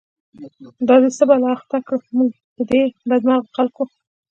دا دی څه بلا اخته کړه، زمونږ په دی بد مرغوخلکو